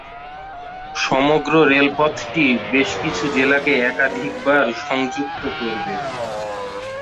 সমগ্র রেলপথটি বেশকিছু জেলাকে একাধিকবার সংযুক্ত করবে।